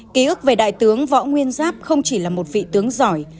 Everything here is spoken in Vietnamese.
ký ức về đại tướng võ nguyên giáp không chỉ là một vị tướng giỏi